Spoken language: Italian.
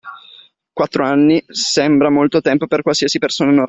Quattro anni sembra molto tempo per qualsiasi persona normale.